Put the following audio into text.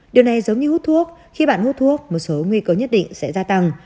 điều này giống như hút thuốc khi bạn hút thuốc một số nguy cơ nhất định sẽ gia tăng